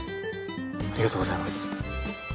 ありがとうございます。